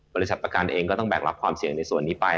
บริษัทประกันเองก็ต้องแบกรับความเสี่ยงในส่วนนี้ไป